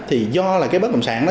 thì do là cái bất cộng sản đó